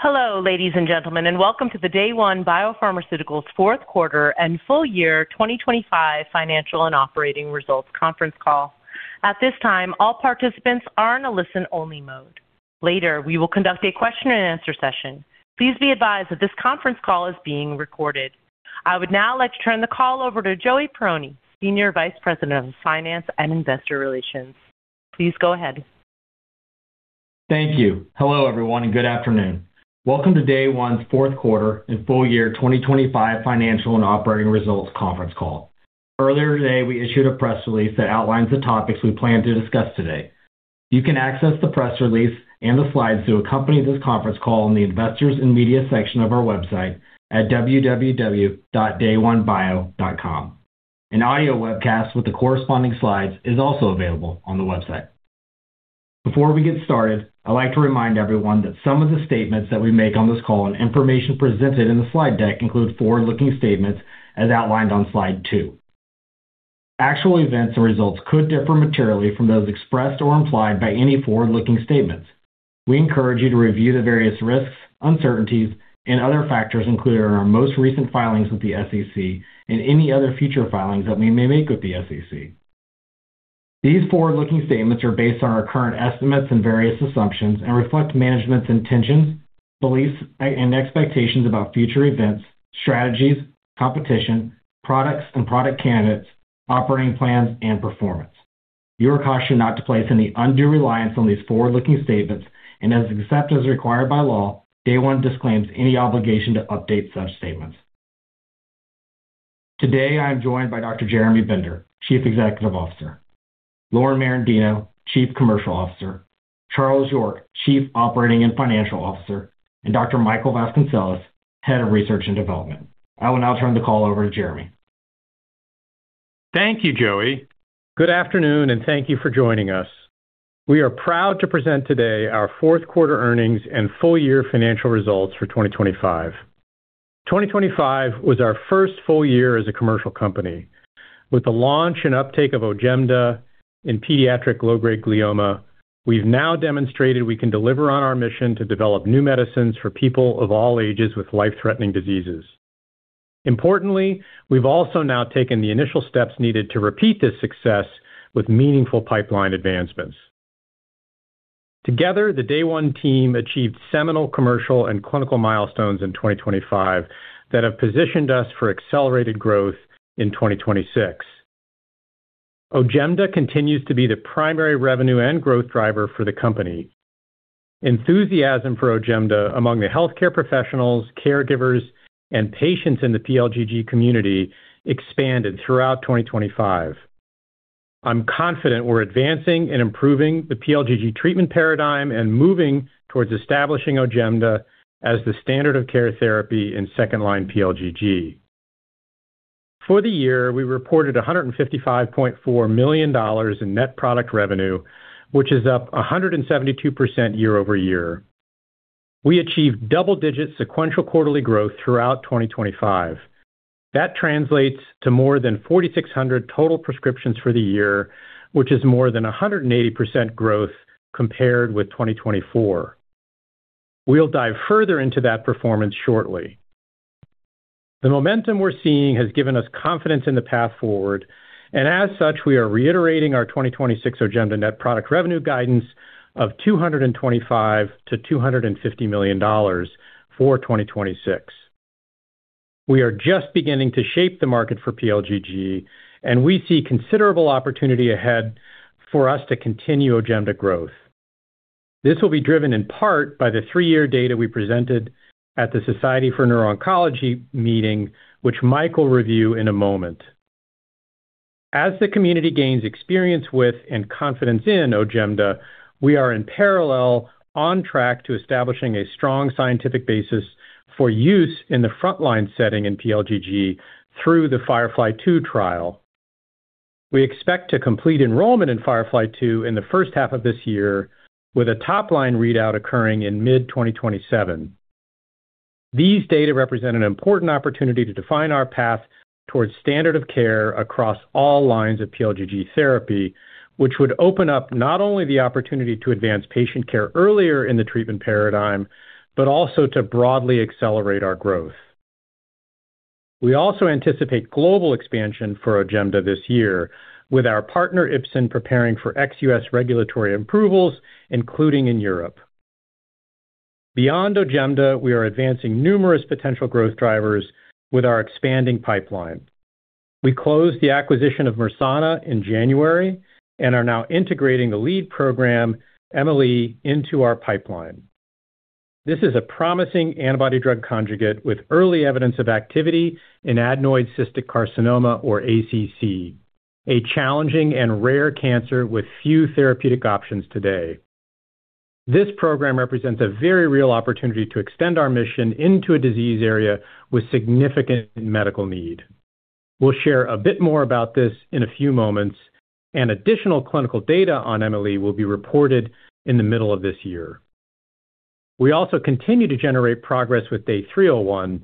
Hello, ladies and gentlemen, and welcome to the Day One Biopharmaceuticals's fourth quarter and full year 2025 financial and operating results conference call. At this time, all participants are in a listen-only mode. Later, we will conduct a question-and-answer session. Please be advised that this conference call is being recorded. I would now like to turn the call over to Joey Perrone, Senior Vice President of Finance and Investor Relations. Please go ahead. Thank you. Hello, everyone, and good afternoon. Welcome to Day One's fourth quarter and full year 2025 financial and operating results conference call. Earlier today, we issued a press release that outlines the topics we plan to discuss today. You can access the press release and the slides that accompany this conference call in the Investors and Media section of our website at www.dayonebio.com. An audio webcast with the corresponding slides is also available on the website. Before we get started, I'd like to remind everyone that some of the statements that we make on this call and information presented in the slide deck include forward-looking statements as outlined on slide 2. Actual events or results could differ materially from those expressed or implied by any forward-looking statements. We encourage you to review the various risks, uncertainties, and other factors included in our most recent filings with the SEC and any other future filings that we may make with the SEC. These forward-looking statements are based on our current estimates and various assumptions and reflect management's intentions, beliefs, and expectations about future events, strategies, competition, products and product candidates, operating plans, and performance. You are cautioned not to place any undue reliance on these forward-looking statements, except as required by law, Day One disclaims any obligation to update such statements. Today, I am joined by Dr. Jeremy Bender, Chief Executive Officer, Lauren Merendino, Chief Commercial Officer, Charles York, Chief Operating and Financial Officer, and Dr. Michael Vasconcelles, Head of Research and Development. I will now turn the call over to Jeremy. Thank you, Joey Perrone. Good afternoon, and thank you for joining us. We are proud to present today our fourth quarter earnings and full year financial results for 2025. 2025 was our first full year as a commercial company. With the launch and uptake of OJEMDA in pediatric low-grade glioma, we've now demonstrated we can deliver on our mission to develop new medicines for people of all ages with life-threatening diseases. Importantly, we've also now taken the initial steps needed to repeat this success with meaningful pipeline advancements. Together, the Day One team achieved seminal commercial and clinical milestones in 2025 that have positioned us for accelerated growth in 2026. OJEMDA continues to be the primary revenue and growth driver for the company. Enthusiasm for OJEMDA among the healthcare professionals, caregivers, and patients in the PLGG community expanded throughout 2025. I'm confident we're advancing and improving the PLGG treatment paradigm and moving towards establishing OJEMDA as the standard of care therapy in second-line PLGG. For the year, we reported $155.4 million in net product revenue, which is up 172% year-over-year. We achieved double-digit sequential quarterly growth throughout 2025. That translates to more than 4,600 total prescriptions for the year, which is more than 180% growth compared with 2024. We'll dive further into that performance shortly. The momentum we're seeing has given us confidence in the path forward. As such, we are reiterating our 2026 OJEMDA net product revenue guidance of $225 million-$250 million for 2026. We are just beginning to shape the market for PLGG. We see considerable opportunity ahead for us to continue OJEMDA growth. This will be driven in part by the 3-year data we presented at the Society for Neuro-Oncology meeting, which Michael will review in a moment. As the community gains experience with and confidence in OJEMDA, we are in parallel on track to establishing a strong scientific basis for use in the frontline setting in PLGG through the FIREFLY-2 trial. We expect to complete enrollment in FIREFLY-2 in the first half of this year, with a top-line readout occurring in mid-2027. These data represent an important opportunity to define our path towards standard of care across all lines of PLGG therapy, which would open up not only the opportunity to advance patient care earlier in the treatment paradigm, but also to broadly accelerate our growth. We also anticipate global expansion for OJEMDA this year, with our partner, Ipsen, preparing for ex-U.S. regulatory approvals, including in Europe. Beyond OJEMDA, we are advancing numerous potential growth drivers with our expanding pipeline. We closed the acquisition of Mersana in January and are now integrating the lead program, Emi-Le, into our pipeline. This is a promising antibody-drug conjugate with early evidence of activity in adenoid cystic carcinoma, or ACC, a challenging and rare cancer with few therapeutic options today. This program represents a very real opportunity to extend our mission into a disease area with significant medical need. We'll share a bit more about this in a few moments. Additional clinical data on Emi-Le will be reported in the middle of this year. We also continue to generate progress with DAY301,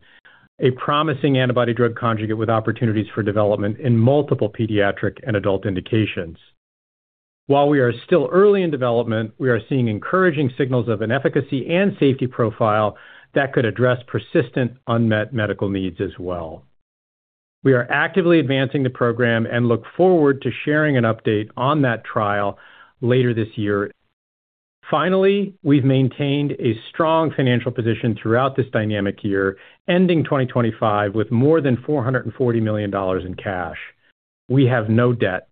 a promising antibody-drug conjugate with opportunities for development in multiple pediatric and adult indications. While we are still early in development, we are seeing encouraging signals of an efficacy and safety profile that could address persistent unmet medical needs as well. We are actively advancing the program and look forward to sharing an update on that trial later this year. Finally, we've maintained a strong financial position throughout this dynamic year, ending 2025 with more than $440 million in cash. We have no debt.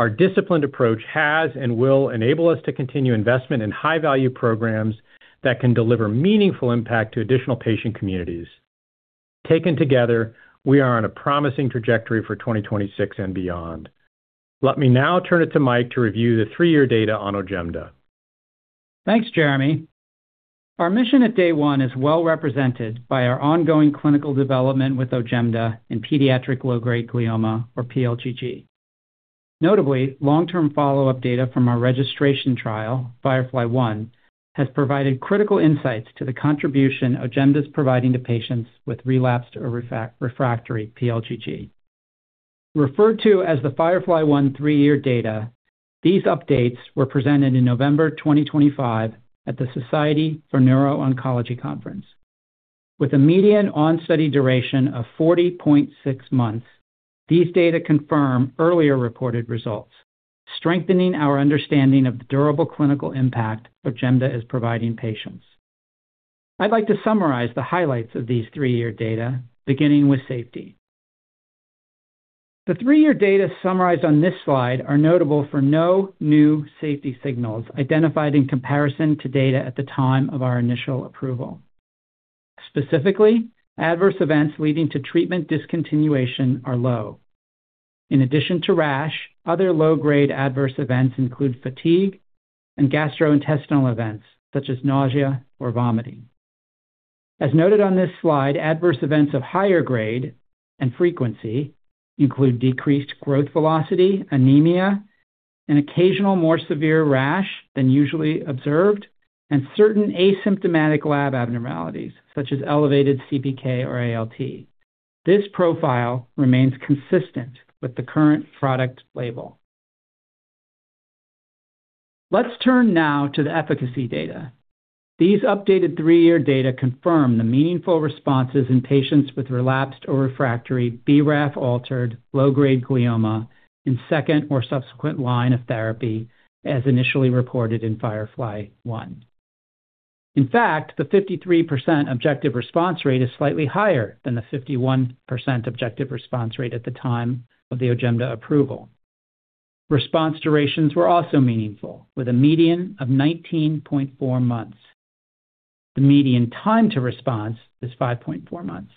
Our disciplined approach has and will enable us to continue investment in high-value programs that can deliver meaningful impact to additional patient communities. Taken together, we are on a promising trajectory for 2026 and beyond. Let me now turn it to Michael to review the three-year data on OJEMDA. Thanks, Jeremy. Our mission at Day One is well represented by our ongoing clinical development with OJEMDA in pediatric low-grade glioma, or PLGG. Notably, long-term follow-up data from our registration trial, FIREFLY-1, has provided critical insights to the contribution OJEMDA's providing to patients with relapsed or refractory PLGG. Referred to as the FIREFLY-1 three-year data, these updates were presented in November 2025 at the Society for Neuro-Oncology Conference. With a median on study duration of 40.6 months, these data confirm earlier reported results, strengthening our understanding of the durable clinical impact OJEMDA is providing patients. I'd like to summarize the highlights of these three-year data, beginning with safety. The three-year data summarized on this slide are notable for no new safety signals identified in comparison to data at the time of our initial approval. Specifically, adverse events leading to treatment discontinuation are low. In addition to rash, other low-grade adverse events include fatigue and gastrointestinal events, such as nausea or vomiting. As noted on this slide, adverse events of higher grade and frequency include decreased growth velocity, anemia, an occasional more severe rash than usually observed, and certain asymptomatic lab abnormalities, such as elevated CPK or ALT. This profile remains consistent with the current product label. Let's turn now to the efficacy data. These updated three-year data confirm the meaningful responses in patients with relapsed or refractory BRAF-altered low-grade glioma in second or subsequent line of therapy, as initially reported in FIREFLY-1. In fact, the 53% objective response rate is slightly higher than the 51% objective response rate at the time of the OJEMDA approval. Response durations were also meaningful, with a median of 19.4 months. The median time to response is 5.4 months.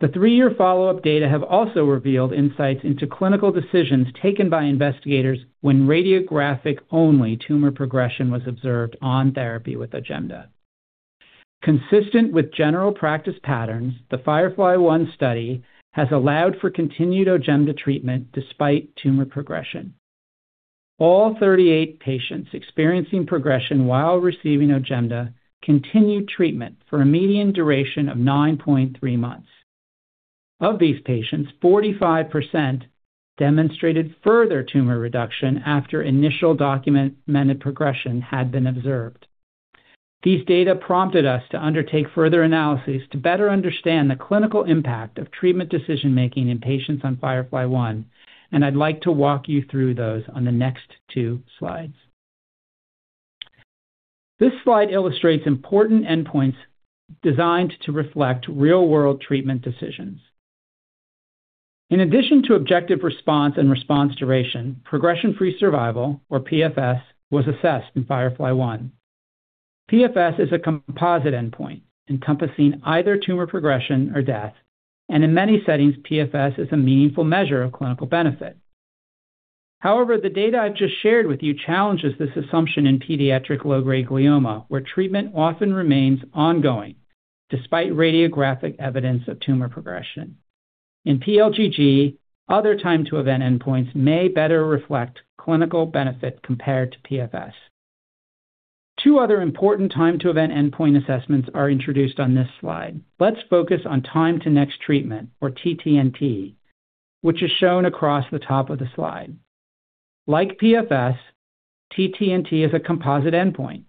The three-year follow-up data have also revealed insights into clinical decisions taken by investigators when radiographic-only tumor progression was observed on therapy with OJEMDA. Consistent with general practice patterns, the FIREFLY-1 study has allowed for continued OJEMDA treatment despite tumor progression. All 38 patients experiencing progression while receiving OJEMDA continued treatment for a median duration of 9.3 months. Of these patients, 45% demonstrated further tumor reduction after initial documented progression had been observed. These data prompted us to undertake further analyses to better understand the clinical impact of treatment decision-making in patients on FIREFLY-1, and I'd like to walk you through those on the next two slides. This slide illustrates important endpoints designed to reflect real-world treatment decisions. In addition to objective response and response duration, progression-free survival, or PFS, was assessed in FIREFLY-1. PFS is a composite endpoint encompassing either tumor progression or death, and in many settings, PFS is a meaningful measure of clinical benefit. However, the data I've just shared with you challenges this assumption in pediatric low-grade glioma, where treatment often remains ongoing despite radiographic evidence of tumor progression. In PLGG, other time-to-event endpoints may better reflect clinical benefit compared to PFS. Two other important time-to-event endpoint assessments are introduced on this slide. Let's focus on time to next treatment, or TTNT, which is shown across the top of the slide. Like PFS, TTNT is a composite endpoint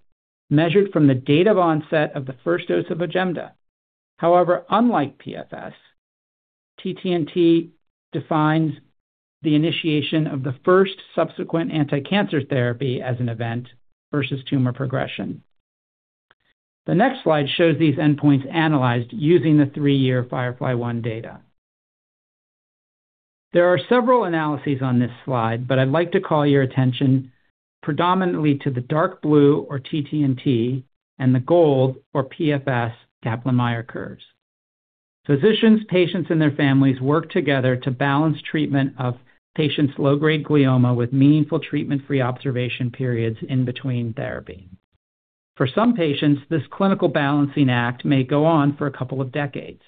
measured from the date of onset of the first dose of OJEMDA. However, unlike PFS, TTNT defines the initiation of the first subsequent anticancer therapy as an event versus tumor progression. The next slide shows these endpoints analyzed using the three-year FIREFLY-1 data. There are several analyses on this slide, but I'd like to call your attention predominantly to the dark blue or TTNT and the gold or PFS Kaplan-Meier curves. Physicians, patients, and their families work together to balance treatment of patients' low-grade glioma with meaningful treatment-free observation periods in between therapy. For some patients, this clinical balancing act may go on for a couple of decades.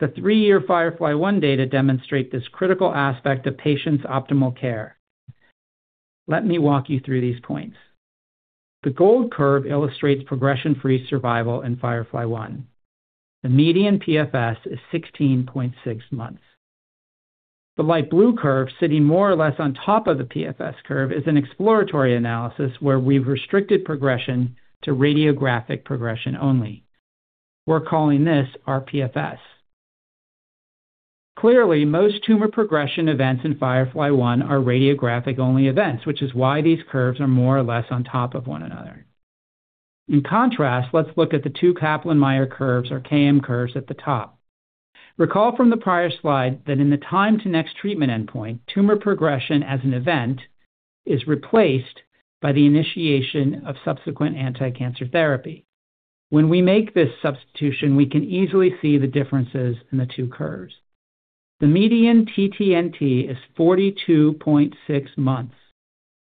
The 3-year FIREFLY-1 data demonstrate this critical aspect of patients' optimal care. Let me walk you through these points.... The gold curve illustrates progression-free survival in FIREFLY-1. The median PFS is 16.6 months. The light blue curve, sitting more or less on top of the PFS curve, is an exploratory analysis where we've restricted progression to radiographic progression only. We're calling this rPFS. Clearly, most tumor progression events in FIREFLY-1 are radiographic-only events, which is why these curves are more or less on top of one another. In contrast, let's look at the two Kaplan-Meier curves, or KM curves, at the top. Recall from the prior slide that in the time to next treatment endpoint, tumor progression as an event is replaced by the initiation of subsequent anticancer therapy. When we make this substitution, we can easily see the differences in the two curves. The median TTNT is 42.6 months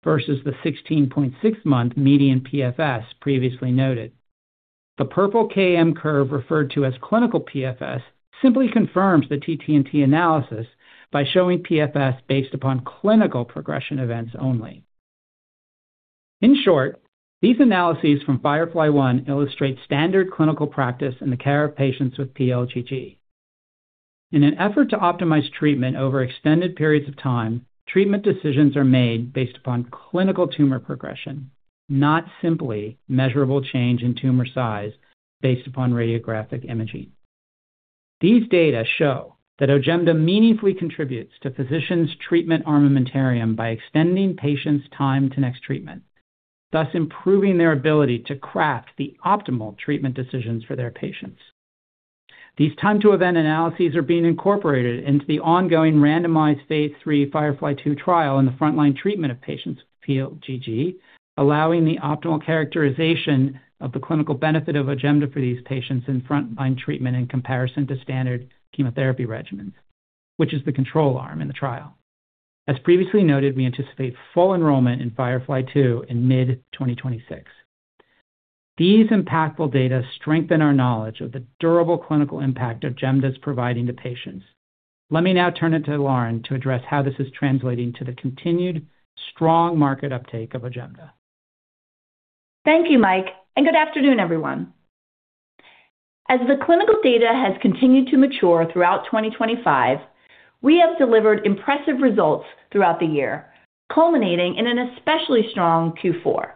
versus the 16.6-month median PFS previously noted. The purple KM curve, referred to as clinical PFS, simply confirms the TTNT analysis by showing PFS based upon clinical progression events only. In short, these analyses from FIREFLY-1 illustrate standard clinical practice in the care of patients with PLGG. In an effort to optimize treatment over extended periods of time, treatment decisions are made based upon clinical tumor progression, not simply measurable change in tumor size based upon radiographic imaging. These data show that OJEMDA meaningfully contributes to physicians' treatment armamentarium by extending patients' time to next treatment, thus improving their ability to craft the optimal treatment decisions for their patients. These time-to-event analyses are being incorporated into the ongoing randomized phase III FIREFLY2 trial in the frontline treatment of patients with PLGG, allowing the optimal characterization of the clinical benefit of OJEMDA for these patients in frontline treatment in comparison to standard chemotherapy regimens, which is the control arm in the trial. As previously noted, we anticipate full enrollment in FIREFLY2 in mid-2026. These impactful data strengthen our knowledge of the durable clinical impact OJEMDA is providing to patients. Let me now turn it to Lauren to address how this is translating to the continued strong market uptake of OJEMDA. Thank you, Mike, and good afternoon, everyone. As the clinical data has continued to mature throughout 2025, we have delivered impressive results throughout the year, culminating in an especially strong Q4.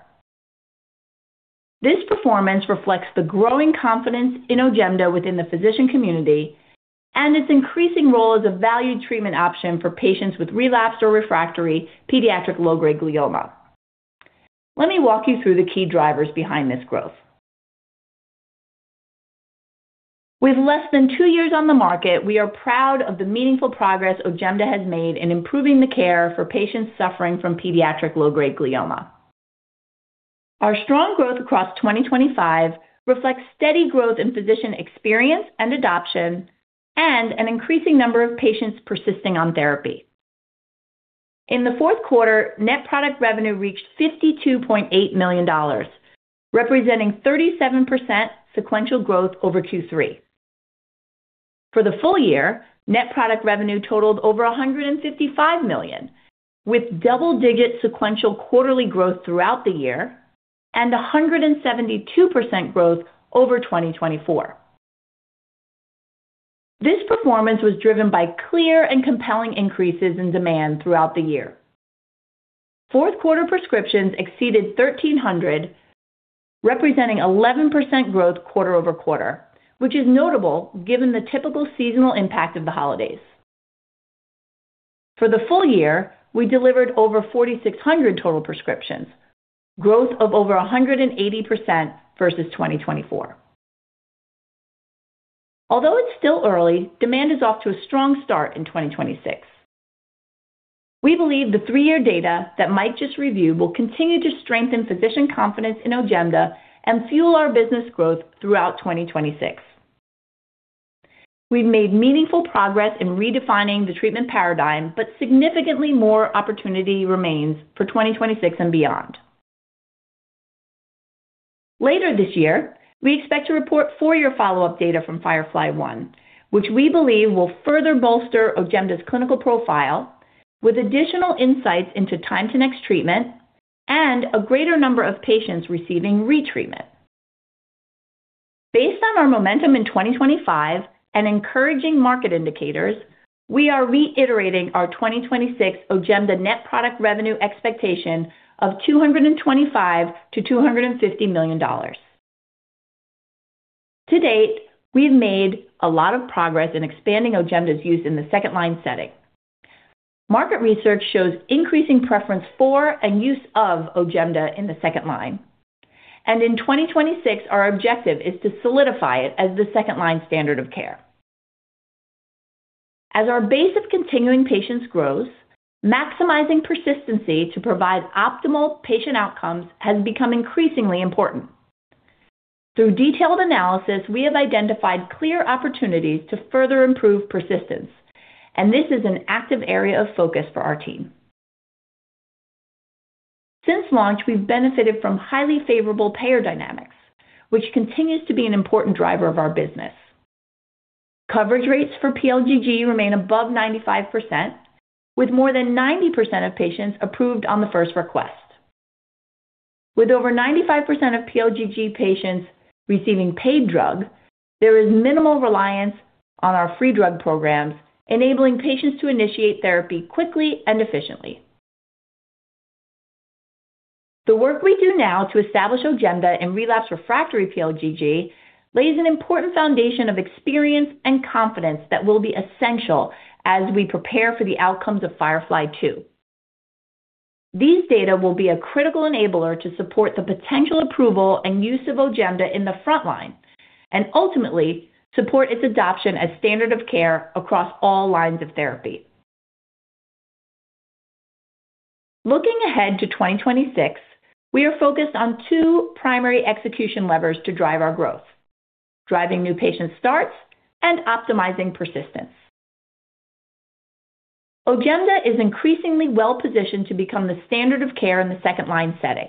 This performance reflects the growing confidence in OJEMDA within the physician community and its increasing role as a valued treatment option for patients with relapsed or refractory pediatric low-grade glioma. Let me walk you through the key drivers behind this growth. With less than two years on the market, we are proud of the meaningful progress OJEMDA has made in improving the care for patients suffering from pediatric low-grade glioma. Our strong growth across 2025 reflects steady growth in physician experience and adoption and an increasing number of patients persisting on therapy. In the fourth quarter, net product revenue reached $52.8 million, representing 37% sequential growth over Q3. For the full year, net product revenue totaled over $155 million, with double-digit sequential quarterly growth throughout the year and 172% growth over 2024. This performance was driven by clear and compelling increases in demand throughout the year. Fourth quarter prescriptions exceeded 1,300, representing 11% growth quarter-over-quarter, which is notable given the typical seasonal impact of the holidays. For the full year, we delivered over 4,600 total prescriptions, growth of over 180% versus 2024. Although it's still early, demand is off to a strong start in 2026. We believe the three-year data that Mike just reviewed will continue to strengthen physician confidence in OJEMDA and fuel our business growth throughout 2026. We've made meaningful progress in redefining the treatment paradigm, but significantly more opportunity remains for 2026 and beyond. Later this year, we expect to report 4-year follow-up data from FIREFLY-1, which we believe will further bolster OJEMDA's clinical profile with additional insights into time to next treatment and a greater number of patients receiving retreatment. Based on our momentum in 2025 and encouraging market indicators, we are reiterating our 2026 OJEMDA net product revenue expectation of $225 million-$250 million. To date, we've made a lot of progress in expanding OJEMDA's use in the second-line setting. Market research shows increasing preference for and use of OJEMDA in the second-line, and in 2026, our objective is to solidify it as the second-line standard of care. As our base of continuing patients grows, maximizing persistency to provide optimal patient outcomes has become increasingly important. Through detailed analysis, we have identified clear opportunities to further improve persistence, and this is an active area of focus for our team. Since launch, we've benefited from highly favorable payer dynamics, which continues to be an important driver of our business. Coverage rates for PLGG remain above 95%, with more than 90% of patients approved on the first request. With over 95% of PLGG patients receiving paid drug, there is minimal reliance on our free drug programs, enabling patients to initiate therapy quickly and efficiently. The work we do now to establish OJEMDA in relapsed refractory PLGG lays an important foundation of experience and confidence that will be essential as we prepare for the outcomes of FIREFLY-2. These data will be a critical enabler to support the potential approval and use of OJEMDA in the front line and ultimately support its adoption as standard of care across all lines of therapy. Looking ahead to 2026, we are focused on 2 primary execution levers to drive our growth: driving new patient starts and optimizing persistence. OJEMDA is increasingly well-positioned to become the standard of care in the second-line setting.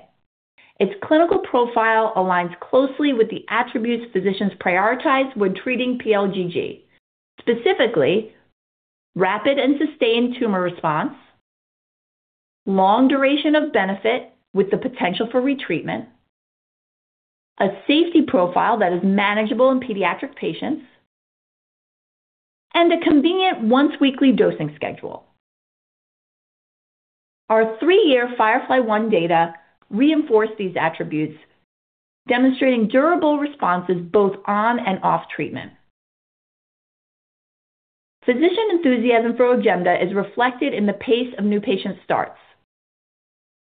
Its clinical profile aligns closely with the attributes physicians prioritize when treating PLGG. Specifically, rapid and sustained tumor response, long duration of benefit with the potential for retreatment, a safety profile that is manageable in pediatric patients, and a convenient once-weekly dosing schedule. Our three-year FIREFLY-1 data reinforce these attributes, demonstrating durable responses both on and off treatment. Physician enthusiasm for OJEMDA is reflected in the pace of new patient starts.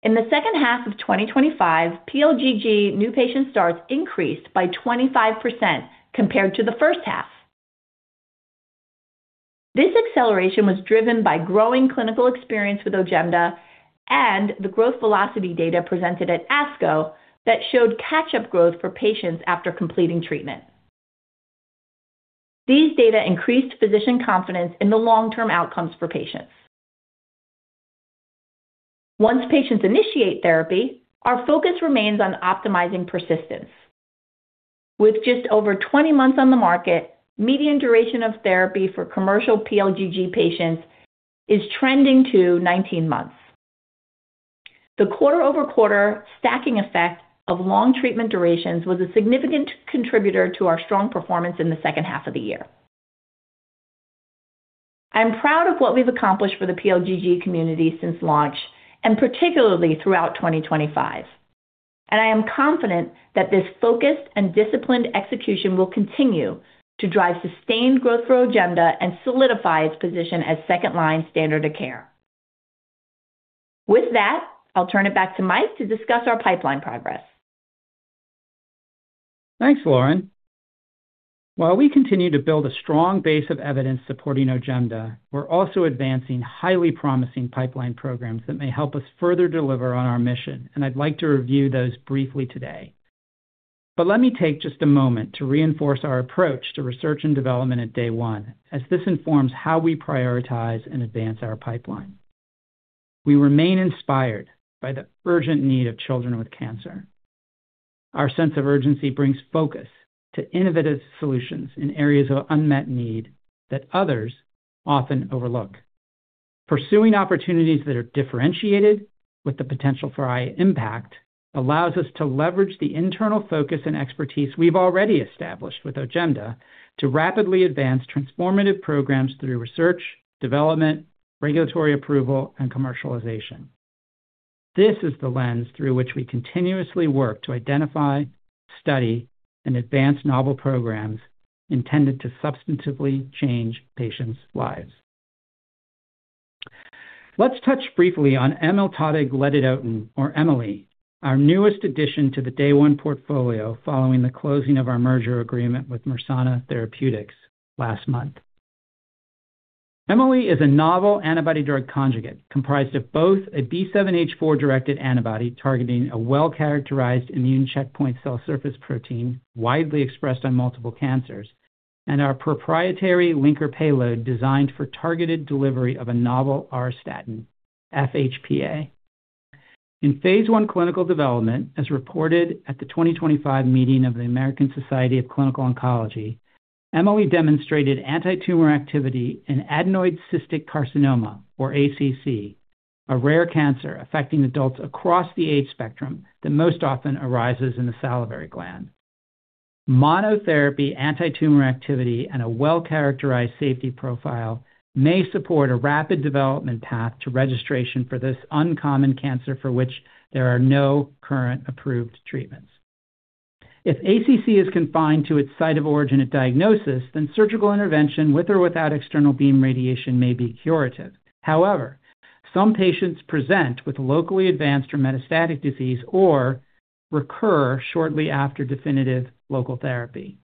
In the second half of 2025, PLGG new patient starts increased by 25% compared to the first half. This acceleration was driven by growing clinical experience with OJEMDA and the growth velocity data presented at ASCO that showed catch-up growth for patients after completing treatment. These data increased physician confidence in the long-term outcomes for patients. Once patients initiate therapy, our focus remains on optimizing persistence. With just over 20 months on the market, median duration of therapy for commercial PLGG patients is trending to 19 months. The quarter-over-quarter stacking effect of long treatment durations was a significant contributor to our strong performance in the second half of the year. I'm proud of what we've accomplished for the PLGG community since launch, and particularly throughout 2025, and I am confident that this focused and disciplined execution will continue to drive sustained growth for OJEMDA and solidify its position as second-line standard of care. With that, I'll turn it back to Michael to discuss our pipeline progress. Thanks, Lauren. While we continue to build a strong base of evidence supporting OJEMDA, we're also advancing highly promising pipeline programs that may help us further deliver on our mission, and I'd like to review those briefly today. Let me take just a moment to reinforce our approach to research and development at Day One, as this informs how we prioritize and advance our pipeline. We remain inspired by the urgent need of children with cancer. Our sense of urgency brings focus to innovative solutions in areas of unmet need that others often overlook. Pursuing opportunities that are differentiated with the potential for high impact allows us to leverage the internal focus and expertise we've already established with OJEMDA to rapidly advance transformative programs through research, development, regulatory approval, and commercialization. This is the lens through which we continuously work to identify, study, and advance novel programs intended to substantively change patients' lives. Let's touch briefly on emiltatug ledadotin, or Emi-Le, our newest addition to the Day One portfolio following the closing of our merger agreement with Mersana Therapeutics last month. Emi-Le is a novel antibody-drug conjugate comprised of both a B7-H4-directed antibody targeting a well-characterized immune checkpoint cell surface protein, widely expressed on multiple cancers, and our proprietary linker payload designed for targeted delivery of a novel auristatin, FHPA. In Phase I clinical development, as reported at the 2025 meeting of the American Society of Clinical Oncology, Emi-Le demonstrated antitumor activity in adenoid cystic carcinoma, or ACC, a rare cancer affecting adults across the age spectrum that most often arises in the salivary gland. Monotherapy antitumor activity and a well-characterized safety profile may support a rapid development path to registration for this uncommon cancer, for which there are no current approved treatments. If ACC is confined to its site of origin at diagnosis, then surgical intervention, with or without external beam radiation, may be curative. Some patients present with locally advanced or metastatic disease or recur shortly after definitive local therapy.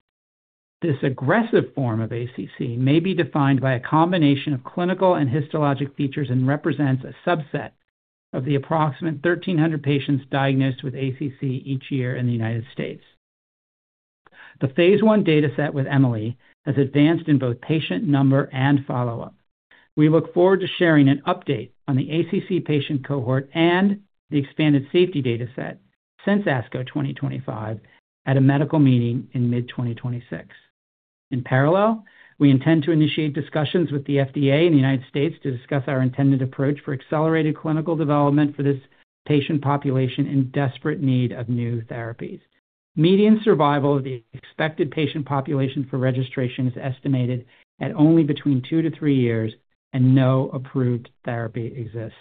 This aggressive form of ACC may be defined by a combination of clinical and histologic features and represents a subset of the approximate 1,300 patients diagnosed with ACC each year in the United States. The Phase 1 data set with Emi-Le has advanced in both patient number and follow-up. We look forward to sharing an update on the ACC patient cohort and the expanded safety data set since ASCO 2025 at a medical meeting in mid-2026. In parallel, we intend to initiate discussions with the FDA in the United States to discuss our intended approach for accelerated clinical development for this patient population in desperate need of new therapies. Median survival of the expected patient population for registration is estimated at only between 2 to 3 years. No approved therapy exists.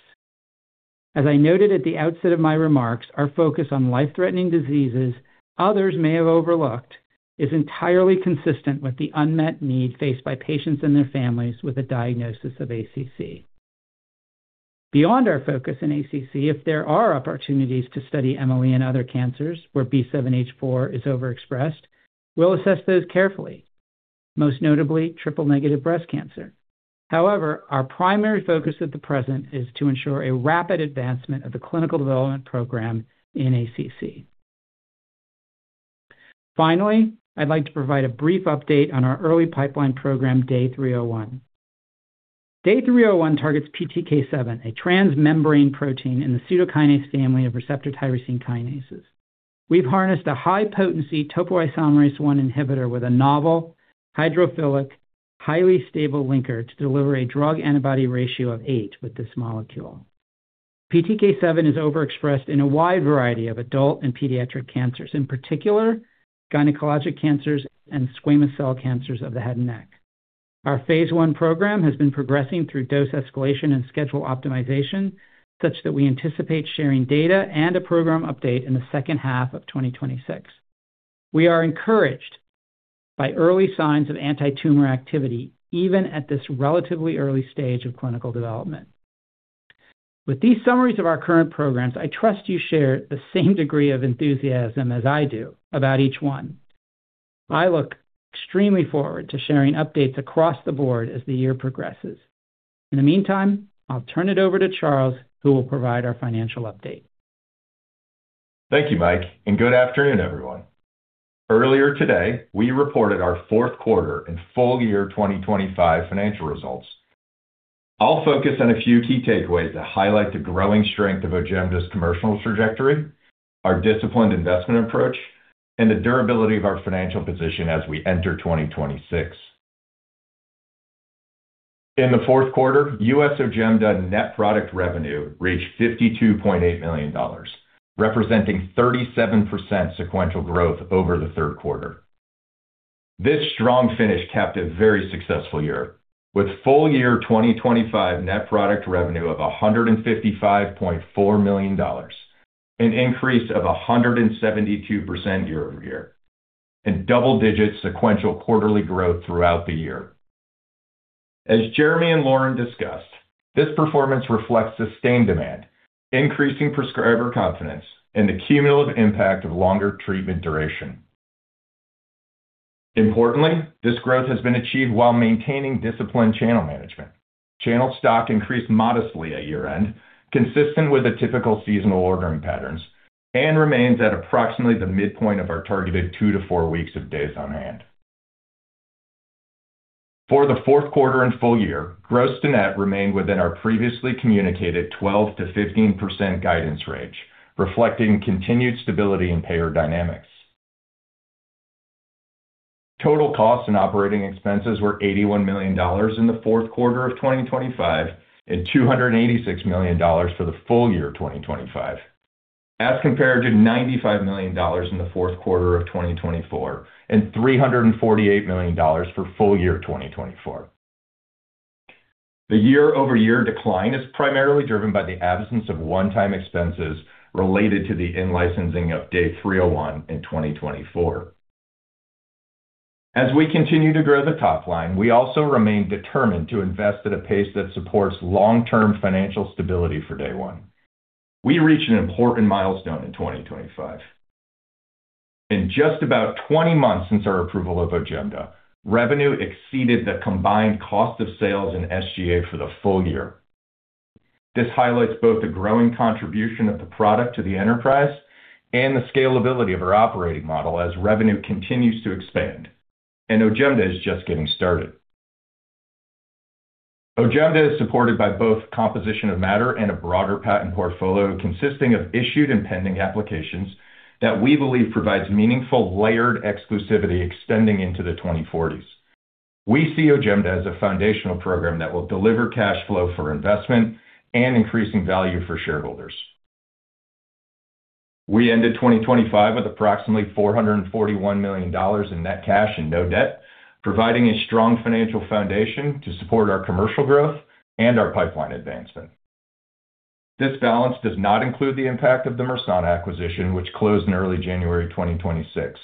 As I noted at the outset of my remarks, our focus on life-threatening diseases others may have overlooked is entirely consistent with the unmet need faced by patients and their families with a diagnosis of ACC. Beyond our focus in ACC, if there are opportunities to study MLE in other cancers where B7-H4 is overexpressed, we'll assess those carefully, most notably triple-negative breast cancer. However, our primary focus at the present is to ensure a rapid advancement of the clinical development program in ACC. Finally, I'd like to provide a brief update on our early pipeline program, DAY301. DAY301 targets PTK7, a transmembrane protein in the pseudokinase family of receptor tyrosine kinases. We've harnessed a high-potency topoisomerase I inhibitor with a novel hydrophilic, highly stable linker to deliver a drug antibody ratio of 8 with this molecule. PTK7 is overexpressed in a wide variety of adult and pediatric cancers, in particular gynecologic cancers and squamous cell cancers of the head and neck. Our Phase I program has been progressing through dose escalation and schedule optimization, such that we anticipate sharing data and a program update in the second half of 2026. We are encouraged by early signs of anti-tumor activity, even at this relatively early stage of clinical development. With these summaries of our current programs, I trust you share the same degree of enthusiasm as I do about each one. I look extremely forward to sharing updates across the board as the year progresses. In the meantime, I'll turn it over to Charles, who will provide our financial update. Thank you, Michael. Good afternoon, everyone. Earlier today, we reported our fourth quarter and full year 2025 financial results. I'll focus on a few key takeaways that highlight the growing strength of OJEMDA's commercial trajectory, our disciplined investment approach, and the durability of our financial position as we enter 2026. In the fourth quarter, U.S. OJEMDA net product revenue reached $52.8 million, representing 37% sequential growth over the third quarter. This strong finish capped a very successful year, with full year 2025 net product revenue of $155.4 million, an increase of 172% year-over-year, and double-digit sequential quarterly growth throughout the year. As Jeremy and Lauren discussed, this performance reflects sustained demand, increasing prescriber confidence, and the cumulative impact of longer treatment duration. Importantly, this growth has been achieved while maintaining disciplined channel management. Channel stock increased modestly at year-end, consistent with the typical seasonal ordering patterns, and remains at approximately the midpoint of our targeted 2-4 weeks of days on hand. For the fourth quarter and full year, gross to net remained within our previously communicated 12%-15% guidance range, reflecting continued stability in payer dynamics. Total costs and operating expenses were $81 million in the fourth quarter of 2025, and $286 million for the full year of 2025, as compared to $95 million in the fourth quarter of 2024 and $348 million for full year 2024. The year-over-year decline is primarily driven by the absence of one-time expenses related to the in-licensing of DAY301 in 2024. As we continue to grow the top line, we also remain determined to invest at a pace that supports long-term financial stability for Day One. We reached an important milestone in 2025. In just about 20 months since our approval of OJEMDA, revenue exceeded the combined cost of sales and SG&A for the full year. This highlights both the growing contribution of the product to the enterprise and the scalability of our operating model as revenue continues to expand. OJEMDA is just getting started. OJEMDA is supported by both composition of matter and a broader patent portfolio, consisting of issued and pending applications that we believe provides meaningful, layered exclusivity extending into the 2040s. We see OJEMDA as a foundational program that will deliver cash flow for investment and increasing value for shareholders. We ended 2025 with approximately $441 million in net cash and no debt, providing a strong financial foundation to support our commercial growth and our pipeline advancement. This balance does not include the impact of the Mersana acquisition, which closed in early January 2026,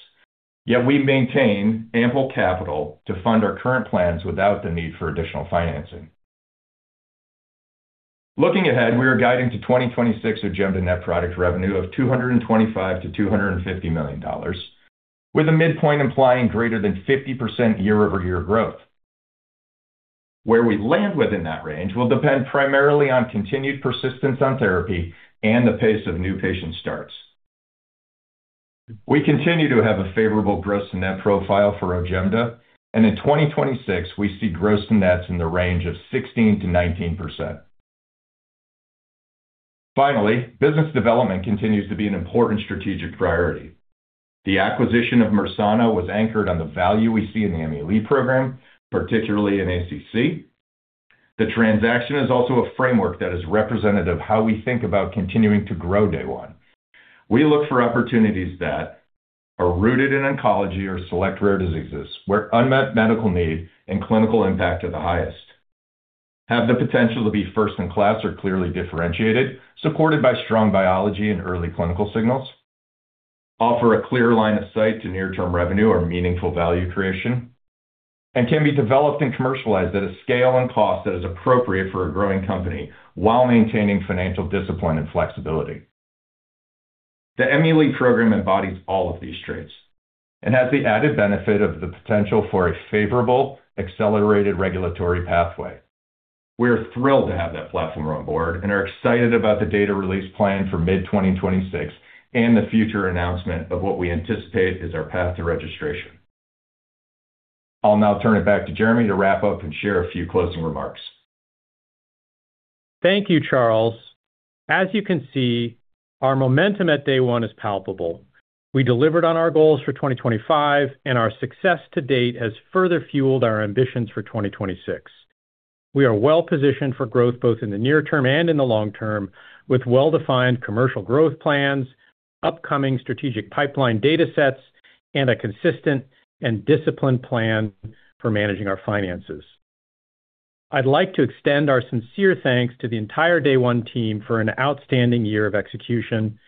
yet we maintain ample capital to fund our current plans without the need for additional financing. Looking ahead, we are guiding to 2026 OJEMDA net product revenue of $225 million-$250 million, with a midpoint implying greater than 50% year-over-year growth. Where we land within that range will depend primarily on continued persistence on therapy and the pace of new patient starts. We continue to have a favorable gross and net profile for OJEMDA, and in 2026, we see gross and nets in the range of 16%-19%. Finally, business development continues to be an important strategic priority. The acquisition of Mersana was anchored on the value we see in the Emi-Le program, particularly in ACC. The transaction is also a framework that is representative of how we think about continuing to grow Day One. We look for opportunities that are rooted in oncology or select rare diseases, where unmet medical need and clinical impact are the highest, have the potential to be first in class or clearly differentiated, supported by strong biology and early clinical signals, offer a clear line of sight to near-term revenue or meaningful value creation, and can be developed and commercialized at a scale and cost that is appropriate for a growing company while maintaining financial discipline and flexibility. The Emi-Le program embodies all of these traits and has the added benefit of the potential for a favorable, accelerated regulatory pathway. We are thrilled to have that platform on board and are excited about the data release plan for mid-2026 and the future announcement of what we anticipate is our path to registration. I'll now turn it back to Jeremy to wrap up and share a few closing remarks. Thank you, Charles. As you can see, our momentum at Day One is palpable. We delivered on our goals for 2025. Our success to date has further fueled our ambitions for 2026. We are well positioned for growth, both in the near term and in the long term, with well-defined commercial growth plans, upcoming strategic pipeline datasets, and a consistent and disciplined plan for managing our finances. I'd like to extend our sincere thanks to the entire Day One team for an outstanding year of execution,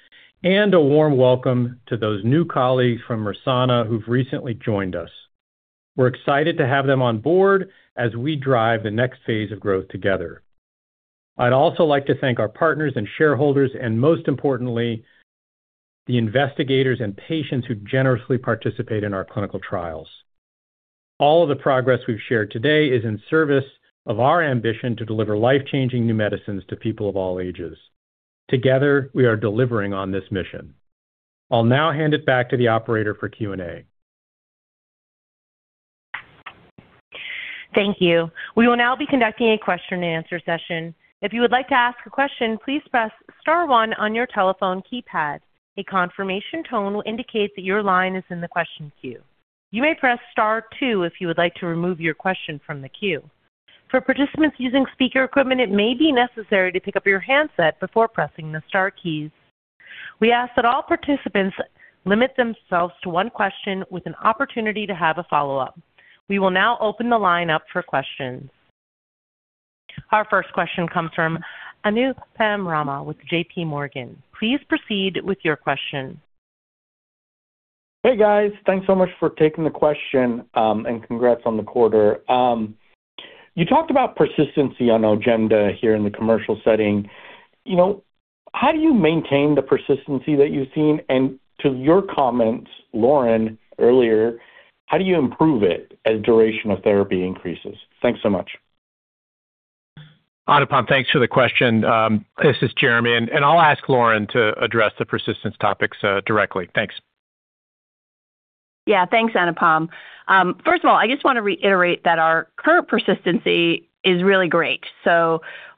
and a warm welcome to those new colleagues from Mersana who've recently joined us. We're excited to have them on board as we drive the next phase of growth together. I'd also like to thank our partners and shareholders, and most importantly, the investigators and patients who generously participate in our clinical trials. All of the progress we've shared today is in service of our ambition to deliver life-changing new medicines to people of all ages. Together, we are delivering on this mission. I'll now hand it back to the operator for Q&A. Thank you. We will now be conducting a question-and-answer session. If you would like to ask a question, please press star 1 on your telephone keypad. A confirmation tone will indicate that your line is in the question queue. You may press star 2 if you would like to remove your question from the queue. For participants using speaker equipment, it may be necessary to pick up your handset before pressing the star keys. We ask that all participants limit themselves to 1 question with an opportunity to have a follow-up. We will now open the line up for questions. Our first question comes from Anupam Rama with J.P. Morgan. Please proceed with your question. Hey, guys. Thanks so much for taking the question, and congrats on the quarter. You talked about persistency on OJEMDA here in the commercial setting. You know, how do you maintain the persistency that you've seen? To your comments, Lauren, earlier, how do you improve it as duration of therapy increases? Thanks so much. Anupam, thanks for the question. This is Jeremy, and I'll ask Lauren to address the persistence topics directly. Thanks. Yeah, thanks, Anupam. First of all, I just want to reiterate that our current persistency is really great.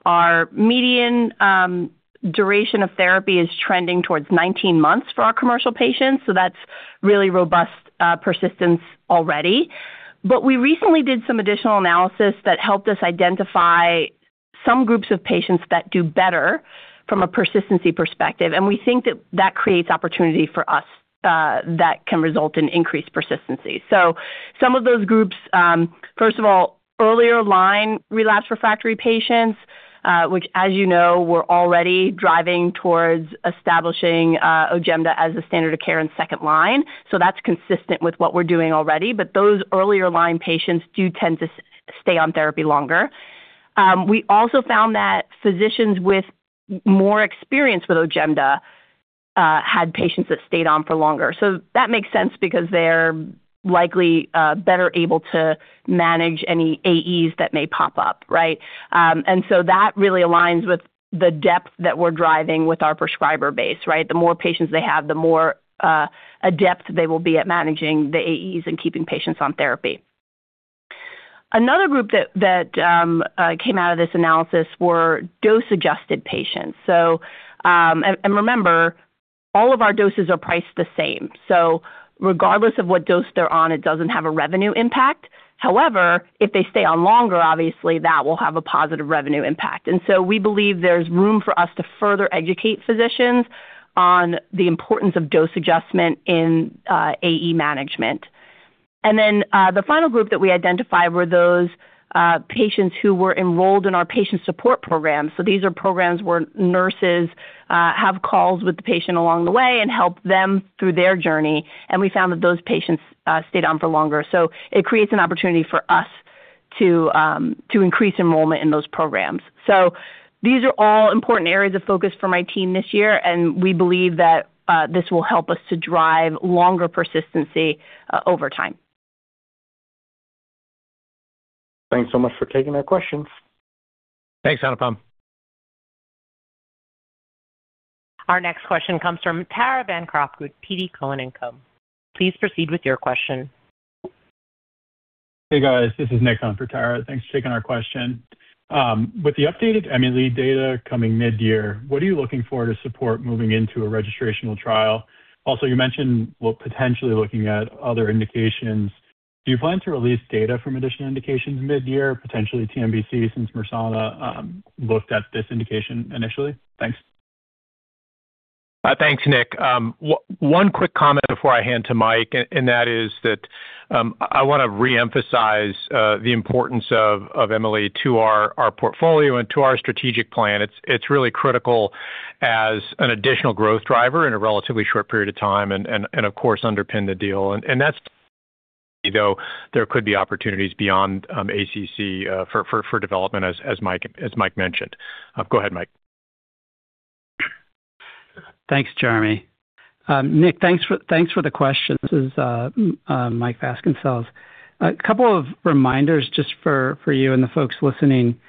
Our median duration of therapy is trending towards 19 months for our commercial patients, that's really robust persistence already. We recently did some additional analysis that helped us identify some groups of patients that do better from a persistency perspective, and we think that that creates opportunity for us that can result in increased persistency. Some of those groups, first of all, earlier line relapse refractory patients, which, as you know, we're already driving towards establishing OJEMDA as the standard of care in second line. That's consistent with what we're doing already. Those earlier line patients do tend to stay on therapy longer. We also found that physicians with more experience with OJEMDA had patients that stayed on for longer. That makes sense because they're likely better able to manage any AEs that may pop up, right? That really aligns with the depth that we're driving with our prescriber base, right? The more patients they have, the more adept they will be at managing the AEs and keeping patients on therapy. Another group that came out of this analysis were dose-adjusted patients. Remember, all of our doses are priced the same. Regardless of what dose they're on, it doesn't have a revenue impact. However, if they stay on longer, obviously that will have a positive revenue impact. We believe there's room for us to further educate physicians on the importance of dose adjustment in AE management. Then, the final group that we identified were those patients who were enrolled in our patient support program. These are programs where nurses have calls with the patient along the way and help them through their journey, and we found that those patients stayed on for longer. It creates an opportunity for us to increase enrollment in those programs. These are all important areas of focus for my team this year, and we believe that this will help us to drive longer persistency over time. Thanks so much for taking our questions. Thanks, Anupam. Our next question comes from Yaron Werber with TD Cowen. Please proceed with your question. Hey, guys. This is Nick on for Yaron. Thanks for taking our question. With the updated Emi-Le data coming mid-year, what are you looking for to support moving into a registrational trial? Also, you mentioned we're potentially looking at other indications. Do you plan to release data from additional indications mid-year, potentially TNBC, since Mersana looked at this indication initially? Thanks. Thanks, Nick. One quick comment before I hand to Mike, that is that I want to reemphasize the importance of Mersana to our portfolio and to our strategic plan. It's really critical as an additional growth driver in a relatively short period of time and of course, underpin the deal. That's, though there could be opportunities beyond ACC for development, as Mike mentioned. Go ahead, Mike. Thanks, Jeremy. Nick, thanks for the question. This is Michael Vasconcelles. A couple of reminders just for you and the folks listening.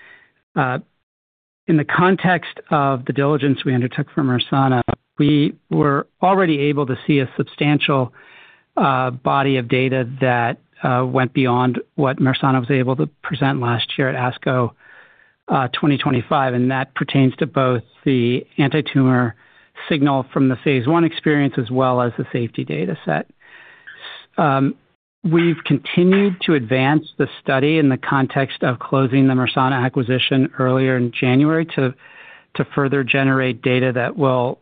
In the context of the diligence we undertook for Mersana, we were already able to see a substantial body of data that went beyond what Mersana was able to present last year at ASCO 2025, and that pertains to both the antitumor signal from the phase I experience as well as the safety dataset. We've continued to advance the study in the context of closing the Mersana acquisition earlier in January to further generate data that will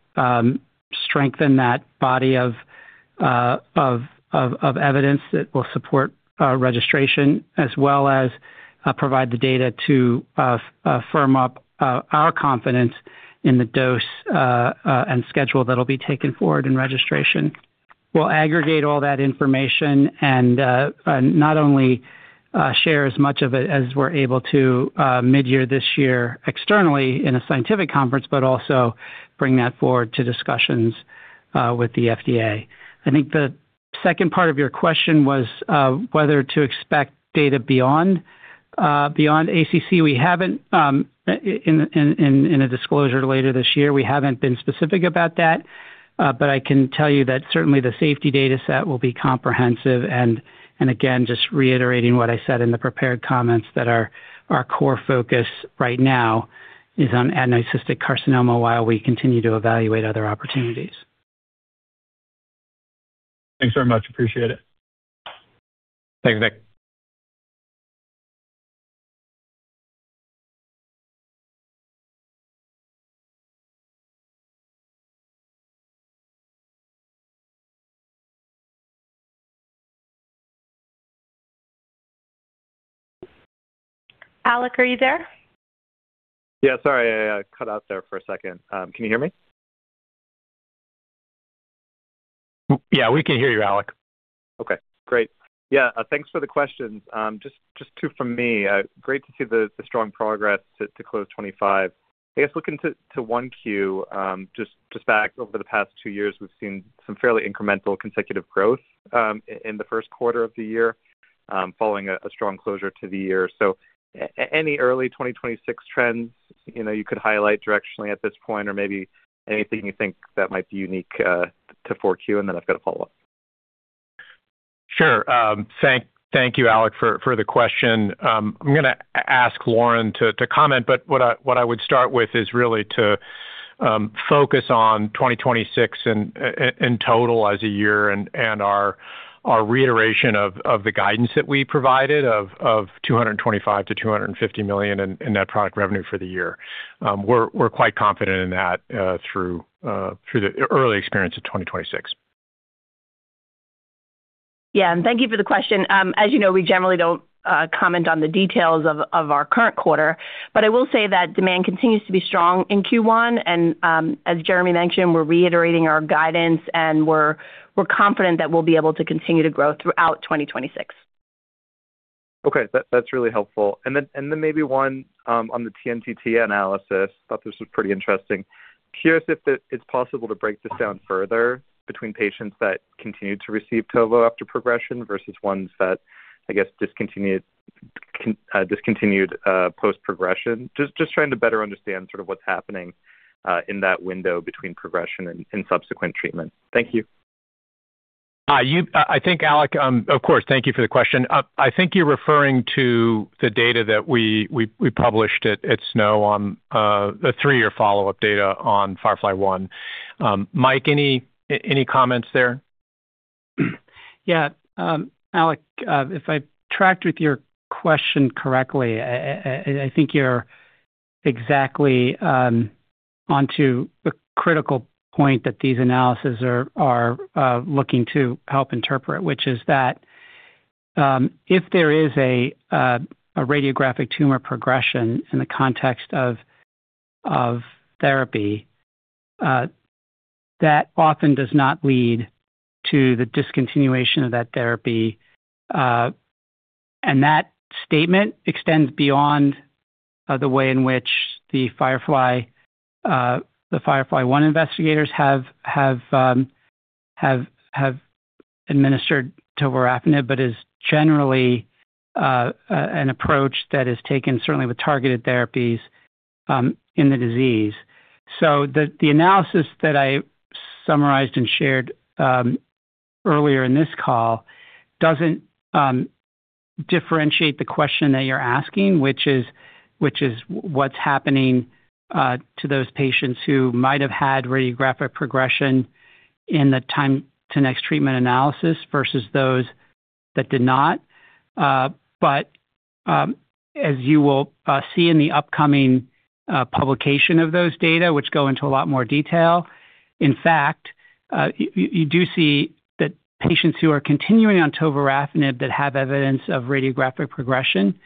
strengthen that body of evidence that will support registration as well as provide the data to firm up our confidence in the dose and schedule that will be taken forward in registration. We'll aggregate all that information and not only share as much of it as we're able to mid-year this year externally in a scientific conference, but also bring that forward to discussions with the FDA. I think the second part of your question was whether to expect data beyond beyond ACC. We haven't, in a disclosure later this year, we haven't been specific about that, but I can tell you that certainly the safety dataset will be comprehensive. Again, just reiterating what I said in the prepared comments, that our core focus right now is on adenoid cystic carcinoma while we continue to evaluate other opportunities. Thanks very much. Appreciate it. Thanks, Nick. Alec, are you there? Yeah, sorry, I cut out there for a second. Can you hear me? We can hear you, Alec. Okay, great. Yeah, thanks for the questions. Just two from me. Great to see the strong progress to close 2025. I guess, looking to 1Q, just back over the past 2 years, we've seen some fairly incremental consecutive growth in the first quarter of the year, following a strong closure to the year. Any early 2026 trends, you know, you could highlight directionally at this point, or maybe anything you think that might be unique to 4Q? And then I've got a follow-up. Sure. Thank you, Alec, for the question. I'm gonna ask Lauren to comment, but what I would start with is really to focus on 2026 in total as a year and our reiteration of the guidance that we provided of $225 million-$250 million in net product revenue for the year. We're quite confident in that through the early experience of 2026. Yeah, thank you for the question. As you know, we generally don't comment on the details of our current quarter. I will say that demand continues to be strong in Q1. As Jeremy mentioned, we're reiterating our guidance, and we're confident that we'll be able to continue to grow throughout 2026. Okay, that's really helpful. Then maybe one on the TNT analysis. Thought this was pretty interesting. Curious if it's possible to break this down further between patients that continued to receive tovorafenib after progression versus ones that, I guess, discontinued post-progression. Just trying to better understand sort of what's happening in that window between progression and subsequent treatment. Thank you. you, I think, Alec, of course, thank you for the question. I think you're referring to the data that we published at SNO on, the 3-year follow-up data on FIREFLY-1. Mike, any comments there? Yeah. Alec, if I tracked with your question correctly, I think you're exactly onto the critical point that these analyses are looking to help interpret, which is that if there is a radiographic tumor progression in the context of therapy, that often does not lead to the discontinuation of that therapy. That statement extends beyond the way in which the FIREFLY-1 investigators have administered tovorafenib, but is generally an approach that is taken certainly with targeted therapies in the disease. The analysis that I summarized and shared earlier in this call doesn't differentiate the question that you're asking, which is what's happening to those patients who might have had radiographic progression in the time to next treatment analysis versus those that did not. As you will see in the upcoming publication of those data, which go into a lot more detail, in fact, you do see that patients who are continuing on tovorafenib that have evidence of radiographic progression,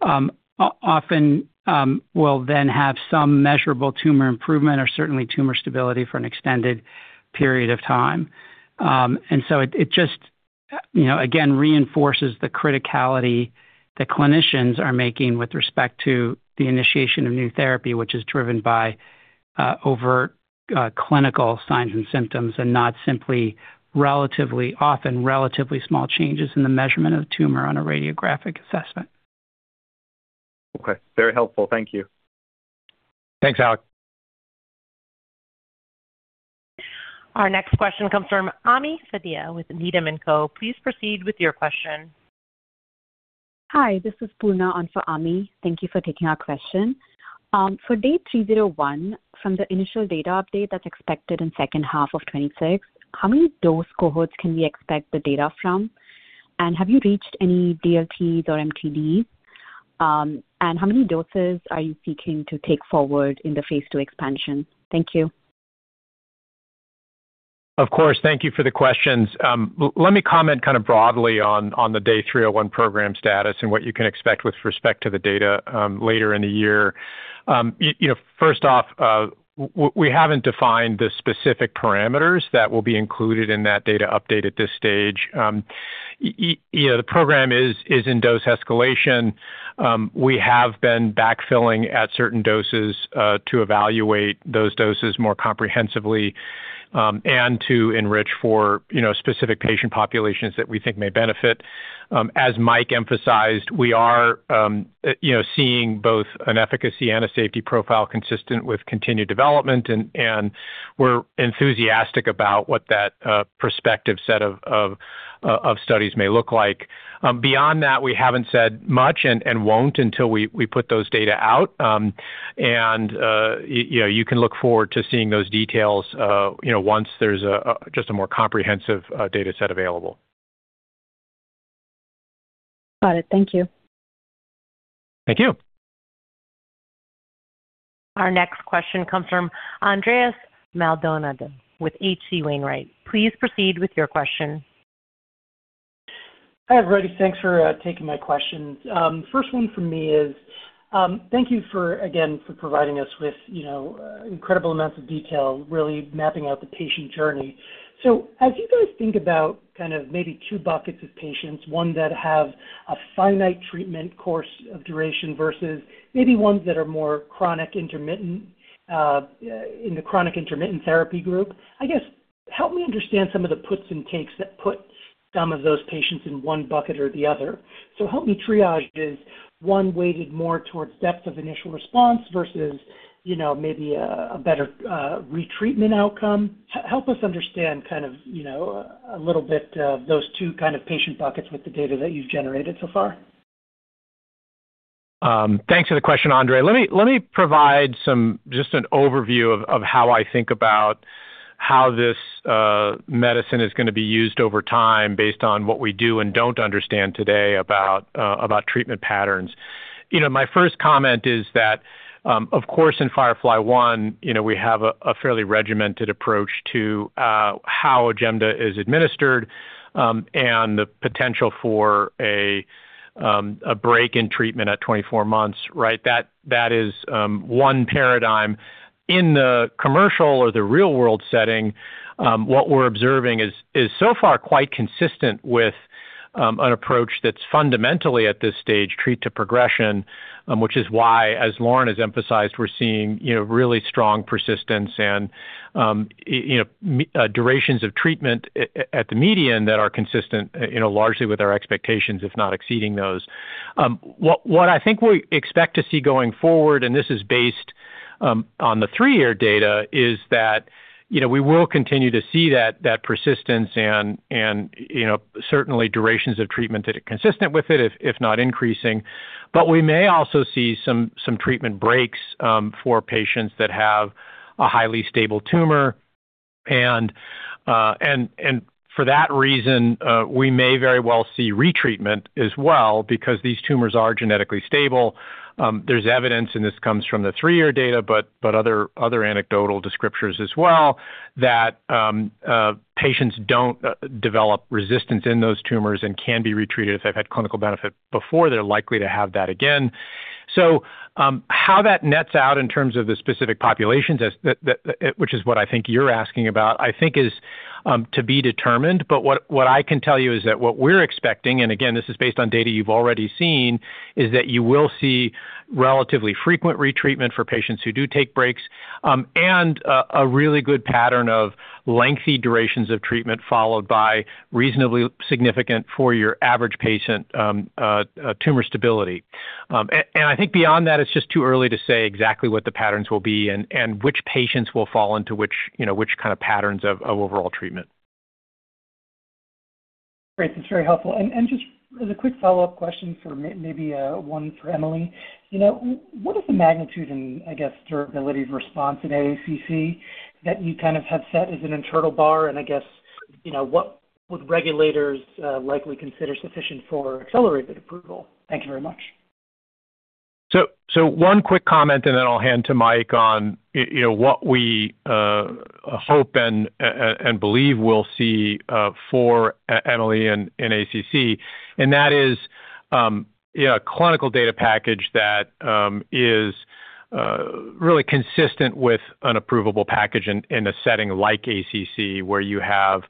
often will then have some measurable tumor improvement or certainly tumor stability for an extended period of time. It just, you know, again, reinforces the criticality that clinicians are making with respect to the initiation of new therapy, which is driven by overt clinical signs and symptoms, and not simply relatively, often relatively small changes in the measurement of tumor on a radiographic assessment. Okay. Very helpful. Thank you. Thanks, Alec. Our next question comes from Ami Fadia with Needham & Company. Please proceed with your question. Hi, this is Poorna on for Ami. Thank you for taking our question. For DAY301, from the initial data update that's expected in second half of 2026, how many dose cohorts can we expect the data from? Have you reached any DLTs or MTDs? How many doses are you seeking to take forward in the phase 2 expansion? Thank you. Of course. Thank you for the questions. let me comment kind of broadly on the DAY301 program status and what you can expect with respect to the data later in the year. you know, first off, we haven't defined the specific parameters that will be included in that data update at this stage. you know, the program is in dose escalation. we have been backfilling at certain doses to evaluate those doses more comprehensively and to enrich for, you know, specific patient populations that we think may benefit. as Mike emphasized, we are, you know, seeing both an efficacy and a safety profile consistent with continued development, and we're enthusiastic about what that prospective set of studies may look like. Beyond that, we haven't said much and won't until we put those data out. You know, you can look forward to seeing those details, you know, once there's a just a more comprehensive data set available. Got it. Thank you. Thank you. Our next question comes from Andres Maldonado with H.C. Wainwright & Co. Please proceed with your question. Hi, everybody. Thanks for taking my questions. First one from me is, thank you for, again, for providing us with, you know, incredible amounts of detail, really mapping out the patient journey. As you guys think about kind of maybe two buckets of patients, one that have a finite treatment course of duration versus maybe ones that are more chronic intermittent, in the chronic intermittent therapy group, I guess, help me understand some of the puts and takes that put some of those patients in one bucket or the other. Help me triage, is one weighted more towards depth of initial response versus, you know, maybe a better retreatment outcome? Help us understand kind of, you know, a little bit of those two kind of patient buckets with the data that you've generated so far. Thanks for the question, Andres. Let me provide some, just an overview of how I think about how this medicine is going to be used over time based on what we do and don't understand today about treatment patterns. You know, my first comment is that, of course, in FIREFLY-1, you know, we have a fairly regimented approach to how OJEMDA is administered, and the potential for a break in treatment at 24 months, right? That is one paradigm. In the commercial or the real-world setting, what we're observing is so far quite consistent with an approach that's fundamentally, at this stage, treat to progression, which is why, as Lauren has emphasized, we're seeing, you know, really strong persistence and, you know, durations of treatment at the median that are consistent, you know, largely with our expectations, if not exceeding those. What I think we expect to see going forward, and this is based on the 3-year data, is that, you know, we will continue to see that persistence and, you know, certainly durations of treatment that are consistent with it, if not increasing. We may also see some treatment breaks for patients that have a highly stable tumor. For that reason, we may very well see retreatment as well because these tumors are genetically stable. There's evidence, and this comes from the 3-year data, but other anecdotal descriptors as well, that patients don't develop resistance in those tumors and can be retreated. If they've had clinical benefit before, they're likely to have that again. How that nets out in terms of the specific populations as the which is what I think you're asking about, I think is to be determined. What I can tell you is that what we're expecting, and again, this is based on data you've already seen, is that you will see relatively frequent retreatment for patients who do take breaks. A really good pattern of lengthy durations of treatment, followed by reasonably significant for your average patient, tumor stability. I think beyond that, it's just too early to say exactly what the patterns will be and which patients will fall into which, you know, kind of patterns of overall treatment. Great. That's very helpful. Just as a quick follow-up question for maybe, one for Emi-Le, you know, what is the magnitude and I guess durability of response in ACC that you kind of have set as an internal bar? I guess, you know, what would regulators likely consider sufficient for accelerated approval? Thank you very much. One quick comment, and then I'll hand to Michael on, you know, what we hope and believe we'll see for Emi-Le in ACC, and that is, yeah, a clinical data package that is really consistent with an approvable package in a setting like ACC, where you have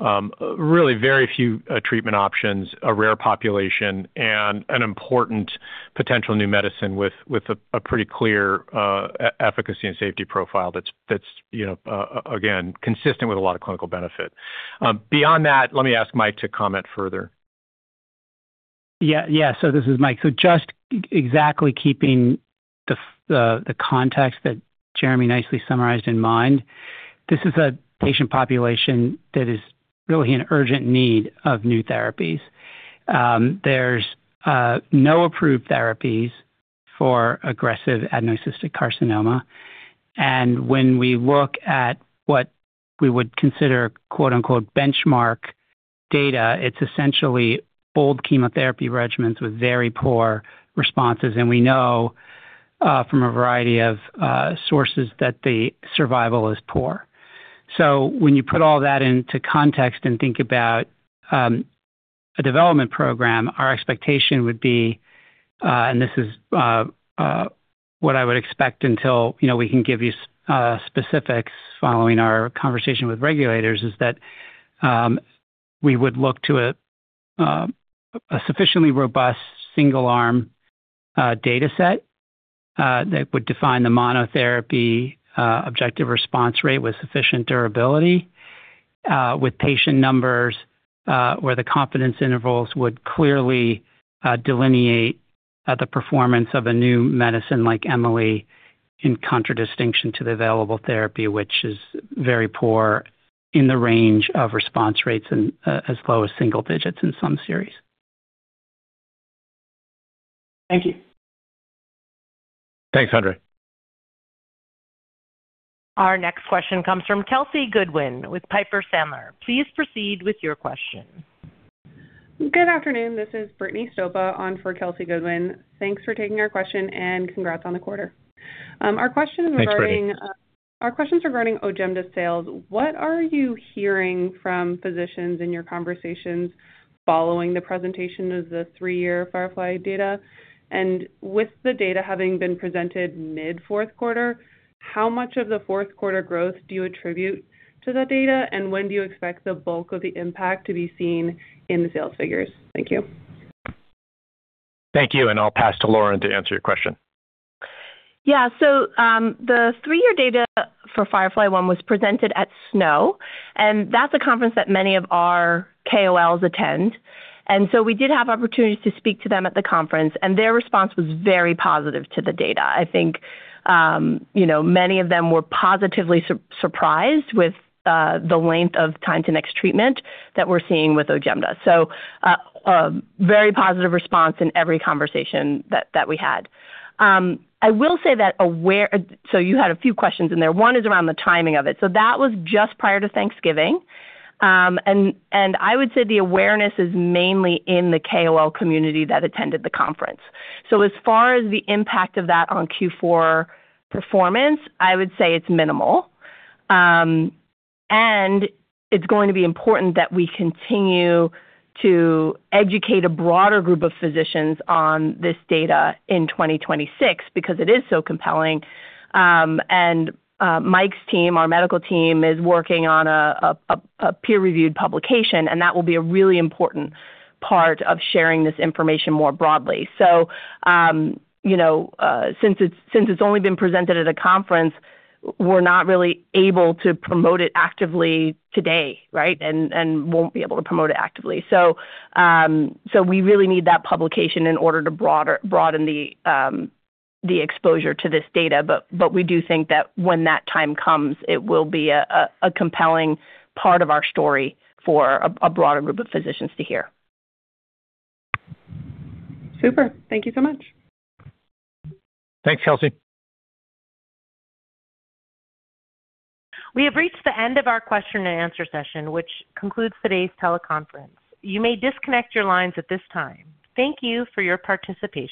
really very few treatment options, a rare population, and an important potential new medicine with a pretty clear efficacy and safety profile that's, you know, again, consistent with a lot of clinical benefit. Beyond that, let me ask Mike to comment further. Yeah, yeah. This is Michael. Just exactly keeping the context that Jeremy nicely summarized in mind, this is a patient population that is really in urgent need of new therapies. There's no approved therapies for aggressive adenoid cystic carcinoma, and when we look at what we would consider, quote-unquote, "benchmark data," it's essentially old chemotherapy regimens with very poor responses, and we know from a variety of sources that the survival is poor. When you put all that into context and think about a development program, our expectation would be, and this is what I would expect until, you know, we can give you specifics following our conversation with regulators, is that we would look to a sufficiently robust single-arm data set that would define the monotherapy objective response rate with sufficient durability, with patient numbers, where the confidence intervals would clearly delineate the performance of a new medicine like Emi-Le, in contradistinction to the available therapy, which is very poor, in the range of response rates and as low as single digits in some series. Thank you. Thanks, Andre. Our next question comes from Kelsey Goodwin with Piper Sandler. Please proceed with your question. Good afternoon. This is Brittany Socha on for Kelsey Goodwin. Thanks for taking our question, and congrats on the quarter. Our question is regarding. Thanks, Brittany. Our question is regarding OJEMDA sales. What are you hearing from physicians in your conversations following the presentation of the three-year FIREFLY data? With the data having been presented mid-fourth quarter, how much of the fourth quarter growth do you attribute to that data, and when do you expect the bulk of the impact to be seen in the sales figures? Thank you. Thank you, and I'll pass to Lauren to answer your question. Yeah. The three-year data for FIREFLY-1 was presented at SNO, and that's a conference that many of our KOLs attend. We did have opportunities to speak to them at the conference, and their response was very positive to the data. I think, you know, many of them were positively surprised with the length of time to next treatment that we're seeing with OJEMDA. A very positive response in every conversation that we had. I will say that aware... So you had a few questions in there. One is around the timing of it. That was just prior to Thanksgiving. And I would say the awareness is mainly in the KOL community that attended the conference. As far as the impact of that on Q4 performance, I would say it's minimal. It's going to be important that we continue to educate a broader group of physicians on this data in 2026 because it is so compelling. Mike's team, our medical team, is working on a peer-reviewed publication, and that will be a really important part of sharing this information more broadly. You know, since it's only been presented at a conference, we're not really able to promote it actively today, right? And won't be able to promote it actively. We really need that publication in order to broaden the exposure to this data. But we do think that when that time comes, it will be a compelling part of our story for a broader group of physicians to hear. Super. Thank you so much. Thanks, Kelsey. We have reached the end of our question and answer session, which concludes today's teleconference. You may disconnect your lines at this time. Thank you for your participation.